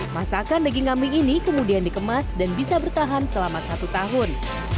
masakan daging kambing ini kemudian dikemas dan bisa bertahan selama satu tahun